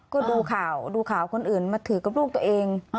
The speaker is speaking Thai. ก็ดูข่าวดูข่าวคนอื่นมาถือกับลูกตัวเอง